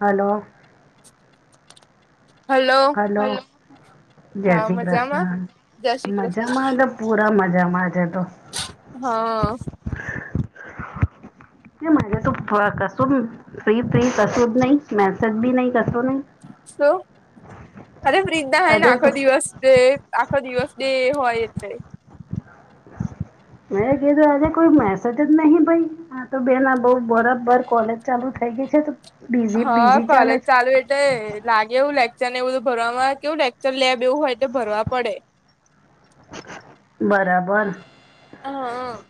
Hello, hello, hello, જય હા શ્રી મજામાં કૃષ્ણ જય શ્રી કૃષ્ણ મજામાં? લ પૂરા મજામાં જ તો. હા કેમ આજે તો કસો ફ્રી ફ્રી કસો જ નહી મેસેજ બી નહી કસો નહી? શ અરે ફ્રી થય ને આજે આખો તો દિવસ છે. આખો દિવસ ડે હોય એટલે, મે કે તો આજે કોઈ મેસેજ જ નહી ભઈ? હા તો બેન બઉ બરાબર કોલેજ ચાલુ થઇ ગઈ છે? બીઝી હા બીઝી ચાલે કલેજ ચાલુ ભટ લાગે એવું લેક્ચર ને એવું બધું ભરવામાં કેવું લેકચર લેબ એવું હોય તો ભરવા પડે. બરાબર! હા હા.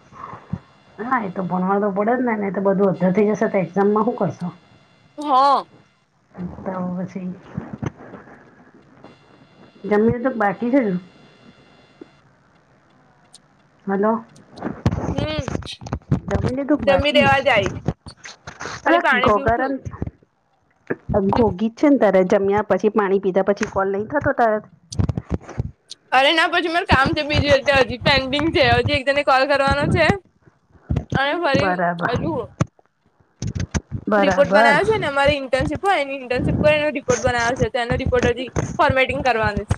હા એ તો ફોન વાળ તો પડે જ ને ને એ તો બધું અર થઈ જશે તો એક્ઝામ માં શું કરશો. હા. તો પછી. જમીએ તો બાકી છે જ? હલો હમ જમી લીધુ.? જમી દેવા જાય અ ખાલી પાણી પીવું ગોગરન છું ઘોઘી જ છે ને તારે જમ્યા પછી પાણી પીધા પછી કોલ નહી થતો તારે.? અરે ના પછી માર કામ છે બીજું એટલે હજી પેન્ડિંગ છે. હજી એક જને કોલ કરવાનો છે. અને ફરી બરાબર હજુ રિપોર્ટ બરાબર બનાવ્યો છે ને, અમારી ઇન્ટર્નશીપ એની ઇન્ટર્નશિપ પર એનો રિપોર્ટ બનાવે છે તો એનો રિપોર્ટ હજી ફોર્મેટિંગ કરવાની છે.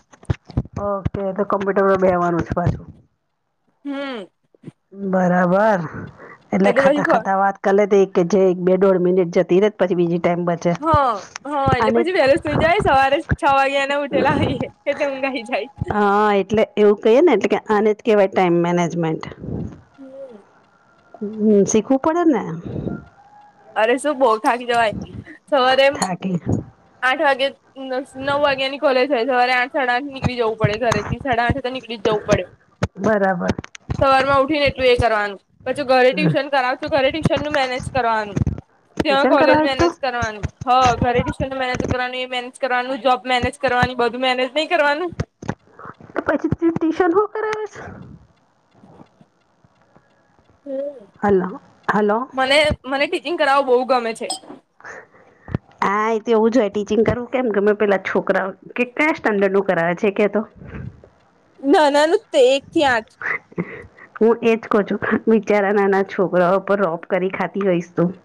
ઓકે તો કમ્પ્યુટરમાં બેવાનું છે પાછું. હમ. બરાબર એટલે ખાતા ખાતા વાત કલેથી એક કે જે એક બે દોઢ મિનિટ જતી ર જ પછી બીજી ટાઈમ બર હા. હા એટલે પછી વહેલો સુઈ જાય સવારે છ વાગ્યા એને ઉઠેલા આવીએ એટલે ઉંઘાઈ જાય. હા એટલે એવું કહીએ ને એટલે કે આને જ કહેવાય ટાઇમ મેનેજમેન્ટ. હમ. હ શીખવું પડે ને. અરે શું બહોવ થાક જવાય સવારે એમ. થાકી આઠ વાગ્યા નવ વાગ્યાની કોલેજ હોય સવારે આઠ. સડાથી નીકળ જવું પડે ઘરેથી સડા છે તો કળ જવું પડે. બરાબર. સવાર માં ઉઠી ને એટલું એ કરવાનું. પછી ઘરે હમ ટ્યુશન કરાવ છું ઘરે ટ્યુશન નું મેનેજ કરવાનું. ત્યાં ટ્યુશન કોલેજ કરાવે મેનેજ તું કરવાનું. હ ઘરે ટ્યુશનને મેનેજ કરવાનું એ મેનેજ કરવાનું જોબ મેનેજ કરવાની બધું મેનેજ નહી કરવાનું. પછી ટ્યુશન શું કરાવે છે. હમ. Hello hello. મને મને ટીચિંગ કરાવ બહુ ગમે છે. હા એ તો એવું જોય ટીચિંગ કરવું કેમ કે મેં પેલા છોકરા કે કયા સ્ટાન્ડર્ડ નું કરાવે છે કે તો. ના નાનું જ એક થી આઠ. હું એજ કહ છું બિચારા નાના છોકરાઓ પર રોપ કરી ખાતી ગઈશ તું.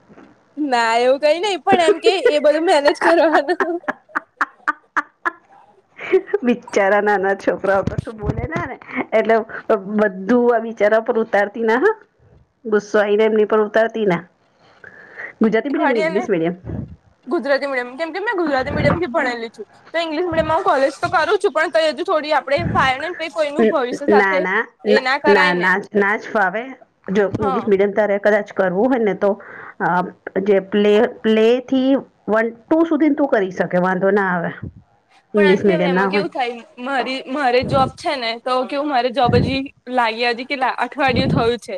ના એવું કઈ નહી પણ એમ કે એ બધું મેનેજ કરવાનું. બચારા નાના છોકરાઓ તો શું બોલે ને એટલે બધું આ બિચારા પર ઉતારતા. તના હ ગુસ્સો આઈને એમની પર ઉતારતી ના. ગુજરાતી મીડિયમ કે શીખાડી ને ઇંગ્લિશ મીડિયમ ગુજરાતી મીડિયમ કેમ કે મેં ગુજરાતી મીડિયમ થી ભણાયેલી છું. તો ઇંગ્શ મડય હું કોલેજ તો કરું છું પણ ત તો હજુ થો આપ. ના ના એ ના કરાય ને ના નાચ ફ આવે. જો હા ઇંગ્લિશ મીડિયમ તરે કદાચ કરવું હોય ને તો. આ જે પ્લે પ્લે થી. વન ટુ સુધીને તું કરી શકે વાંધો ના આવે. પણ ઇંગ્લિશ આથી હવે મીડિયમ ના એમાં હોય કેવું થાય. મારી મારે જોબ છે ને તો કેવું મારે જોબ હજી લાગી હજી કે. અઠવાડિયું થયું છે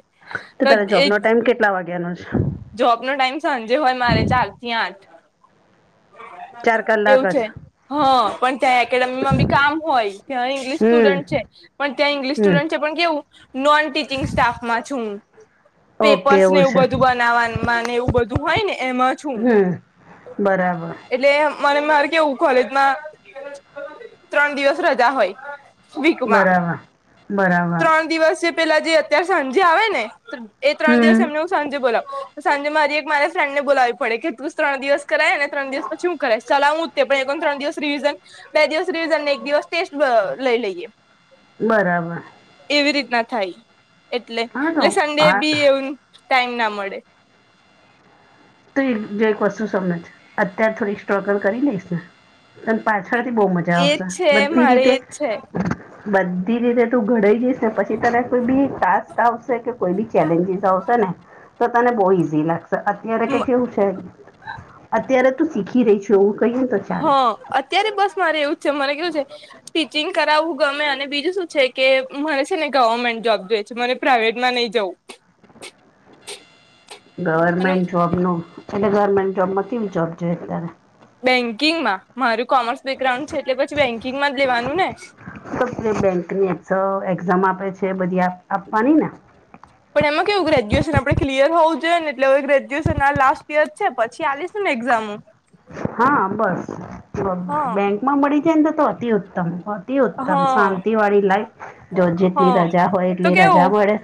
તો તારા એ જોબનો ટાઈમ કેટલા વાગ્યાનું છે. હા. જોબ નો ટાઈમ સાંજે હોય મારે ચાર થી આઠ. ચાર કલાક એવું છે જ હા પણ ત્યાં એકેડેમીમાં બી કામ હોય ત્યાં ઇંગ્લિશ સ્ટુડન્ટ છે હમ પણ ત્યાં ઈંગ્લિશ હમ સ્ટુડન્ટ છે પણ કેવું નોન ટીચિંગ સ્ટાફમાં છું ઓકે પેપર્સ ને એવું છે બધું બ ને એવું બધું હોય ને એમાં છું હમ બરાબર એટલે મને મારે કેવું કોલેજમાં ત્રણ દિવસ રજા હોય વિકમા બરાબર બરાબર ત્રણ દિવસે પેલા જે અત્યારે સાંજે આવે ને એ ત્રણ દિવસ હમ એમને હું સાંજે બોલાવ તો સાંજે મારી એક મારે ફ્રેન્ડ ને બોલાવી પડે કે તું ત્રણ દિવસ કરાય અને ત્રણ દિવસ પછી શું કરાય ચલા હું પણ ત્રણ દિવસ રિવિઝન બે દિવસ રિવિઝનને એક દિવસ ટેસ્ટ લઈ લઈએ બરાબર એવી રીતના થાય એટલે હા તો એટલે સન્ડે બી હા એવું ટાઈમ ના મળે તો એક જો એક વસ્તુ સમજ અત્યારે થોડી સ્ટ્રગલ કરી લઈશ ને ત પાછળથી બહુ મજા એજ જઓશે છે બધી મારે રીતે એજ છે બધી રીતે તું ઘડાઈ જઈશ પછી તને કોઈ બી ટાસ્ક આવશે કે કોઈ બી ચેલેન્જીસ આવશે ને તો તને બહુ ઈઝી લાગશે અત્યારે કે જેવું છે અત્યારે તું શીખી રહી છુ એવું કહીને તો હા ચાલે અત્યારે બસ મારે એવું છે મારે કેવું છે િંગ કરાવવું ગમે અને બીજું શું છે કે મને છે ને ગવર્મેન્ટ જોબ જોઈ છે મને પ્રાઇવેટમાં નહી જવું અને ગવર્મેન્ટ જોબ નું એટલે ગવર્મેન્ટ જોબમાં કેવી જોબ જોઈએ અત્યારે બેન્કિંગમાં મારું કોમર્સ બેકગ્રાઉન્ડ છે એટલે પછી બેન્કિંગમાં જ લેવાનું ને બેંક ની એક્ઝામ આપે છે બધી આપવાની ને પણ એમાં કેવું ગ્રેજ્યુએશન આપણે ક્લયર હોવ જોએ એટલેવે ગ્રેજ્યુએશન આ લાસ્ટ યર છે પછી આલીશ ને એક્ઝામ હા બસ હા બેંકમાં મળી જાય ને તો તો અતિ ઉત્તમ અતિ ઉત્તમ હા શાંતિવાળી લાઈફ જો જેટલી રજા હોય એટલી રજા મળે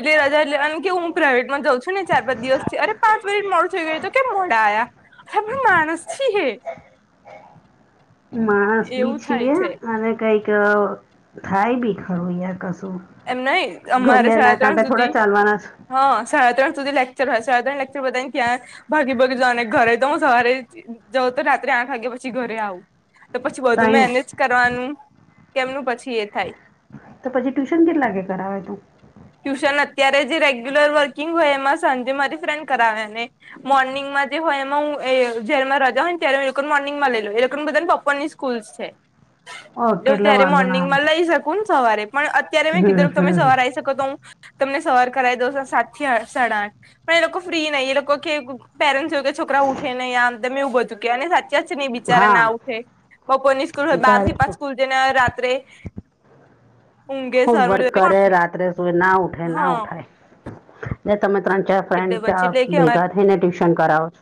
એટલે રજા લ કે હું પ્રાઇવેટ માં જાઉ છું ને ચાર પાંચ દિવસ થી અરે પાંચ મનિટ મો થઈ ગયું તો કેમ મોડા આયા હ માનસછી હે માણસ બી એવું થાય છીએ છે અને કઈક થાય બી ખરું યાર કશું એમ નહી અમારે ઘડિયા સાડા ના ત્રણ કાંટા થોડા સુધી ચાલવાના હા સાડા ત્રણ સુધી લેક્ચર હોય સાડા ત્રણ લેક્ચર બધા ને ક્યાં ભાગી ભગી જ અને ઘરે તો હું સવારે જાઉં તો રાત્રે આઠ વાગ્યા પછી ઘરે આવું તો પછી વધુ તાઈને મેનેજ કરવાનું કેમનું પછી એ થાય તો પછી ટ્યુશન કેટ લાગે કરાવે તો ટ્યુશન અત્યારે જે રેગ્યુલર વર્કિંગ હોય એમાં સાંજે મારી ફ્રેન્ડ કરાવે ને મોર્નિંગ માં જે હોય એમાં હું જયમાં રજા હોય ત્યારે એ લોકોને મોર્નિંગમાં લઈ એ લોકોનેધાને પપ્પ સ્કૂલ્ છે એટલે ઓકે હું એટલે ત્યારે વાંધો ના મોર્નિંગ આવે માં લઈ શક સવારે પણ અત્યારે મેં કીધ હમ તમે સવારે હમ આવી તો હું તમને સવાર કરાવી દઉં સાત થી સાડા આઠ પણ એ લોકો ફ્રી નહીં એ લોકો કે પેરેન્ટ જોય કે છોકરા ઉઠે નને અંદર મેં ઉગો ચુકે અને સાચ ન બિચારા હા ના ઉઠે બપોર ની સ્કૂલ હોય બાર તારે થી પાંચ શું સ્કૂલ જઈને રાત્રે ઊંઘે હબ સર વર્ક કરે રાત્રે સુય ના ઉઠે ના હા ઉઠાય તમે ત્રણ ચાર ફ્રેન્ડ એટલે પછી એટલે ચ કે અમારે ભેગા થઈ ને, ટ્યુશન કરાવવા.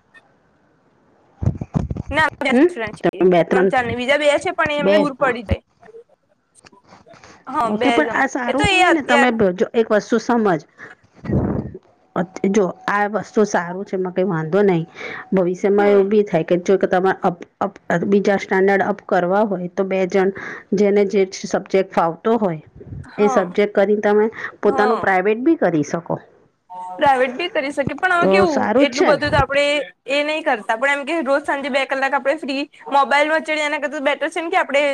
ના હમ, તો બે-ત્રણ, ત્રણ ચાર ને બીજા બે છે પણ બે. એમને દૂર પડી જાય હા ઓકે બે પણ જણ આ એ સારું તો એ કેવાય ને, તમે અત્યાર એક વસ્તુ સમજ. જો આ વસ્તુ સારું છે, માં કઈ વાંધો નહી. ભવિષ્યમાં એ હમ ભી થાય. કે, જો તમારે બીજા સ્ટાન્ડર્ડ અપ કરવા હોય તો, બે જણ જેને જે. સબ્જેક્ટ ફાવતો હોય, એ હા સબ્જેક્ટ કરી તમે હા પોતાનું પ્રાાઈવેટ બી કરી શકો. પ્રાઇવેટ બી કરી શકે, પણ હવે તો કેવું સારું જ એટલું છે બધું ને આપ. આપણે એ નહી કરતા, પણ એમ કે રોજ સાંજે બે કલાક, આપણે ફ્રી મોબાઈલ વચડી એના કરે. છે ને કે, આપણે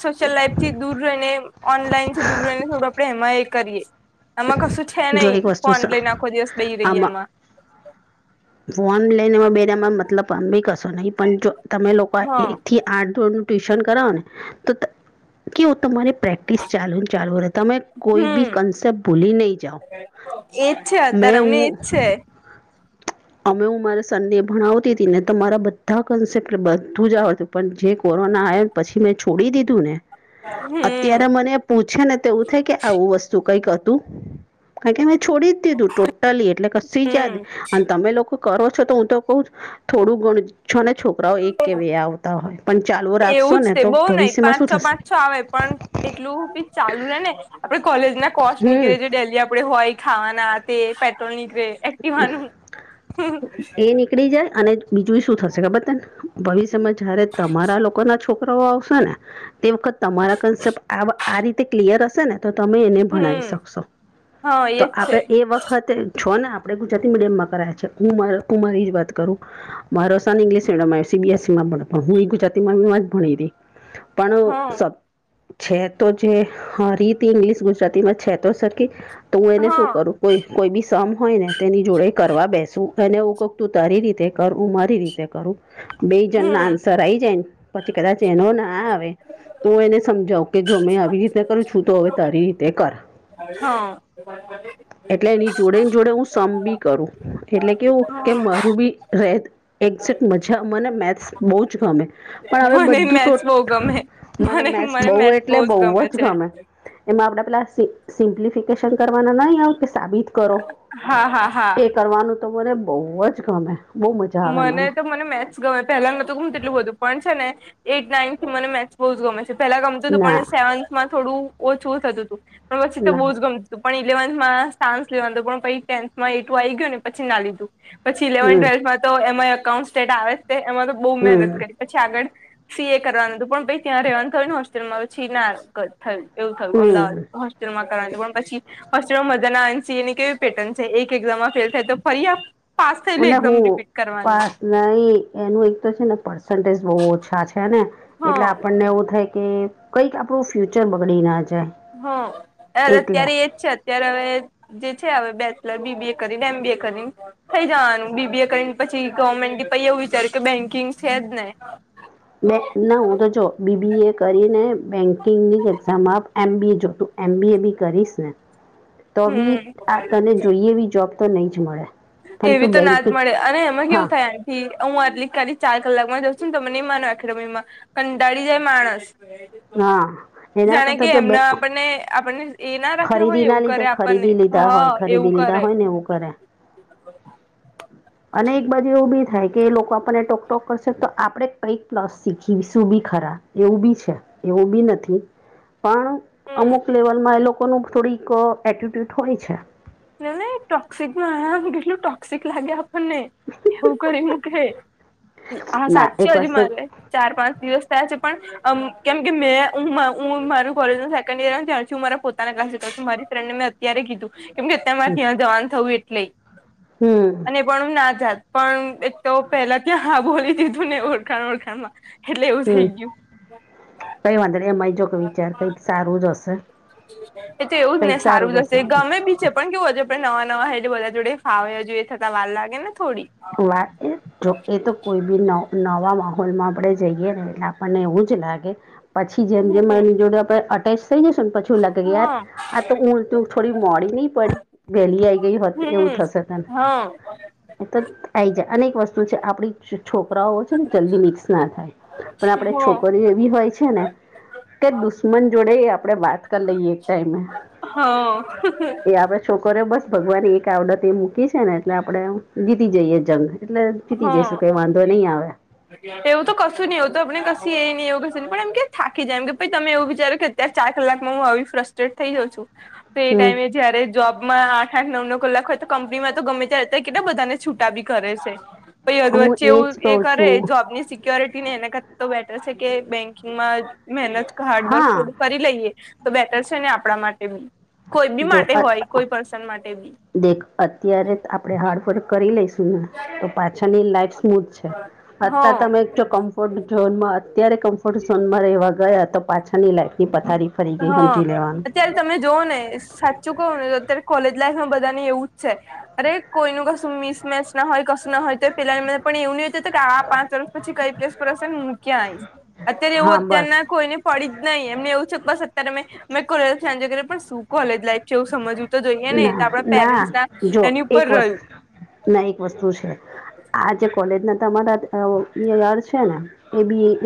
સોશિયલ લાઈફ થી દૂર રહીને, ઓનલાઈન થી દૂર રહીને, થોડું આપણે એમાં એ કરીયે. આમાં કશું છે જો નહી, એક વસ્તુ ફોન લઈને આખો દિવસ બેહી રહી આમાં એમાં. ફોન લઈનેમાં, બેમાં મતલબ ભી કશો નહી પણ જો. તમે લોકો હા એકથી આઠ ધોરણનું ટ્યુશન કરાવો ને, તો કેવું તમારે પ્રેક સ ચાલુ ને, ચાલવું તમે કોઈ બી કન્સેપ્ટ. ભૂલી નહીં જાઓ એ જ છે, અત્યારે મેં અમને જ હું છે. અમે હું મારે સંડે ભણાવતી હતી ને, તમારા બધા કન્સેપ્ટ બધું જ આવતું. પણ જે કોરોના આવ્યો ને, પછી મેં છોડી દીધું ને. અત્યારે હમ મને પૂછે ને, તેવું થાય કે, આવું વસ્તુ કંઈક કાર કે મેં, છોડી જ દીધું ટોટલી, એટલે કસી હમ જયાદ. અને તમે લોકો કરો છો તો હું તો કઉ જ થોડું ઘણું છો ને છોકરાઓ એક કે બે આવતા હોય [unintelligible] એવું જ ને તે તો બહુ નહિ ભવિષ્યમાં પાંચ શું છ પાંચ થશે છો આવે પણ એટલું બી ચાલુ રે ને આપડે કોલેજ ના કોર્સ નીકળે હમ ડેલી આપડે હોય. ખાવાના તે પેટ્રોલ નીકળે એકટીવા નું એ નીકળી જાય અને બીજું શું થશે ખબર તને ભવિષ્યમાં જયારે તમારા લોકોના છોક [inaudible] આવશે ને તે વખત તમારા કન્સેપ્ટ આ રીતે ક્લિયર હશે ને તો તમે એને ભણાઈ હમ શકશો હા એજ તો છે આપડે એ વખતે છો ને આપ આપ ગુજરાતી મીડિમમાં કરે છે, હું તું મારી વાત કરું. મારો સન ઇંગ્લિશ મીડિયમ માં સીબીએસસી માં ભણે, પણ હું એ ગુજરાતીમાં જ ભણી હતી. પણ હા સ છે, તો જે રીત ઇંગ્લિશ ગુજરાતીમાં છે, તો સરખી તો હું એને શું હા કરું, કોઈ કોઈ બી શમ હોય ને. તેની જોડે કરવા બેસું અને હું કક, તું તારી રીતે કર, હું મારી રીતે કરું. બે જન ના હમ આન્સર. સરાઈ જાય પછી કદાચ એનો ના આવે તો હ, એને સમજાવું કે જો મેં આવી. કરું છું, તો હવે તારી રીતે કર. હા. ની જોડે જોડે હું સમ ભી કરું, એટલે કેવું કે મારું બી. રહે, એક્ઝેક્ટ મજા, મને મેથ્સ બહુ જ ગમે. પણ હવે મને બધું, મેથ્સ બહુ ગમે ટ મને મેસ બહુ એટલે બહુ જ ગમે. એમાં આપડે પેલા સિમ્પ્લિફિકેશન કરવાના, નહીં આવે કે સાબિત કરો. હા, હા, હા. એ કરવાનું તો મને બહુ જ ગમે, બહુ મજા આવે મને. મને મેથ્સ. ગમે પહેલાને તો ગ તેટલું પણ છે ને, એઈટ નાઇનથ થી મને મેથ્સ બહુ જ ગમે છે. પેલા ગમતું હતું, ના પણ સેવન્થમાં થોડું ઓછું થતું હતું, પણ પછી તો ના બહુ જ ગમતું. પણ ઇલેવન્થમાં સાયન્સ લેવાનું, પણ પછી ટેન્થમાં એ ટું આ આવી ગયો ને, પછી ના લીધું. પછી ઇલેવન હમ ટ્વેલ્થમાં તો એમાં એકઉન્ટ-સ્ટેટ આવે છે, એમાં તો બઉુ હમ મહેનત કરી. પછી આગળ સી. એ. કરવાનું હતું, પણ પ ત્યાં રહેવાનું થયું ને હોસ્ટેલમાં, પછી ના થયું. એવું થયું અમદાવાદ હમ પછી મજા ના આવે, એક ફેલ થાય તો ફરી આપો. પાસ થયેલી અને એક્ઝામ હું રિપીટ. પાસ નહીં, એનું એક તો છે ને, પર્સન્ટેજ બહુ ઓછા છેને. એટલે હા આપણને એવું થાય કે કંઈક આપણું ફ્યુચર બગડી ના જાય. હ, એટલે અત્યારે એજ છે જ. ત્યારે હવે જે છે, હવે બેચલર બીબીએ કરીને એમ બી એ કરીને. થઈ જવાનું બીબીએ કરીને, પછી ગવર્મેન્ટની, પછી એવું વિચાર્યું કે બેંકિંગ છે જ ને. હ. બે ના, હું તો જો બીબીએ કરી ને બેંકિંગની જ એક્ઝામ આપ. એમ. બી. એ જો તું એમ. બી. એ બી કરીશ ને. [unintelligible] તો બી આ તને જોઈએ એ બી જોબ તો નહીં જ મળે. પણ એવી તું તો ના જ બેન્કિંગ મળે, અને એમાં હા કેવું થાય. હી હું અટલી કાલી ચાર કલાકમાં જઉ છું ને, તમેને ઈન એકેડેમીમાં. કંટાળી જાય, માણસ હા એના જાણે કે, કરતાં જો બે એમના આપણને આપણને. એ ના રાખે હોય ખરીદીના એવું લીધે કરે આપણને, ખરીદી લીધા હોય હા, એવું ખરીદી લીધા કરે. હોય ને એવું કરે. હા. અને એક બાજુ એવું બી થાય કે એ લોકો આપણને ટોકટોક કરશે, તો આપણેે કંઈક પ્લસ શીખી શું બી ખરા. એવું બી છે, એવું બી નથી. પણ હમ અમુક લેવલમાં એ લોકોનું થોડીક એટિટ્યુટ હોય છે. ટોક્સિક કેટલું ટોક્સિક લાગે આપણને. એવું કરી મ કે, હા, સાત ના એક છે હજુ વસ્તુ મારે. ચાર-પાચ દિવસ થયા છે પણ. કેમ કે મે, હું મારું કોલેજ ન સેકન્ડ ઈયર ત હું મારા પોતાના ક્લા કર છું, મારી ફ્રેન્ડને મે. ત્યારે કીધું, કેમ કે અતંરે ત્યાં જવાનું થવું એટલે. હમ. અને પણ હું ના જાત પણ એ તો પહેલા ત્યાં હા બોલી દીધુંને ઓળખાણ ઓળખાણમાં. એટલે એવું હમ થઈ ગયું. કઈ વાંધો નહીં એમાંય જો કે વિચાર કંઈક સારું જ હશે. એ તો એવુંજ ને સારું જ હશે ગમે બી છે. પણ કેવું હજુ આપડે નવાં-નવાં હે બધા જોડે ફાવે હજુ એ થતાં વાર લાગે ને થોડી. વા એ જો એ તો કોઈબી ન નવાં માહોલમાં આપણેે જઈએ ને એટલે આપણને એવું જ લાગે. પછી જેમ જેમ હમ આની જોડે આપડે અટેચ થઈ જશે ને પછી ઓલા કઈએ લાગે હા યાર આ તો ઊંલટુ તો થોડી મોડી નઈ પડી વેહલી આઈ ગઈ હોત એવું થશે તને. હ. ત આઈ જા અને એક વસ્તુ છે આપણી છ છોકરાઓ છે ને જલ્દી મિક્સ ના થાય પણ આપડે છોકરીઓ એ વી હોય છે ને કે દુશ્મન જોડેય આપણે વાત કરી લઈએ એક ટાઈમે. હ. કે આપડે છોકરીઓ બસ ભગવાન એક આવડત એ મૂકી છે ને એટલે આપડે જીતી જઈએ જંગ. એટલે હ જીતી હ જઈશું કઈ વાંધો નઈ આવે. એવું તો કશું નઈ હોતું આપણે કશી એય નઈ એવું કશું નઈ પણ એમ કે થાકી જાય એમ કેય પછી તમે એવું વિચારો કે યાર ચાર કલાકમાં હું આવી ફ્રસ્ટ્રેટ થઈ જાઉ છું તો એ હમ ટાઈમે જયારે જોબમાં આઠ આઠ નવ નવ કલાક હોય તો કંપનીમાં તો ગમે ત્યારે કેટલા બધાને છૂટા બી ઘરે છે. પહી અધ હું વચ્ચે એજ એવું કઉ એ કરે છું જોબની સિ સિક્યોરિટી નઈ એના કરતાં તો બેટર છે કે બેન્કિંગમાં મહેનત હાર્ડવર્ક હા થોડું. કરી લઈએ તો બેટર છે ને આપણા માટે બી કોઈ બી જો માટે હોય કોઈ પર્સન માટે બી. દેખ અત્યારે આપણે હાર્ડવર્ક કરી લઈશું ને તો પાછળની લાઈફ સ્મૂથ છે. હતાં હ તમે જો કં કમ્ફર્ટ ઝોનમાં અત્યારે કમ્ફર્ટ ઝોનમાં રહેવા ગયાં તો પાછળની લાઈફ ની પથારી ફરી ગઈ હા હમજી લેવાનું. અત્યારે તમે જોવોને ને સાચું કહું ને તો અત્યારે કોલેજ લાઈફમાં બધાને એવુંજ છે. અરે કોઈનું કશું મિસમેચ ન હોય કશું ન હોય તો પેલાન પણ એવ નહી હોતું કે આ પાંચ વર્ષ પછી કઈ પ્લેસ પર હશેને મૂ ક્યાં અઈશ? અત્યારે એવું હા બસ અત્યારના કોઈને પડી જ નહીં એમને એવું છે બસ અત્યારે મેં કોલેજ લાઈફ એનજોય કરીએ પણ શું કોલેજ લાઈફ છે એવું સમજવું. તો જોઈએ ને એ તો ના આપડા ના પેરેન્ટ્સના જો એની ઉપર એક રહ્યું. વસ્તુ ના એક વસ્તુ છે. આ જે કોલેજના તમારા છે અ યર છે ને એ બી